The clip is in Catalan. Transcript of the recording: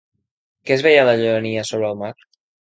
Què es veia en la llunyania sobre el mar?